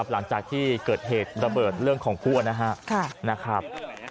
หลังจากที่เกิดเหตุระเบิดเรื่องของคั่วนะครับ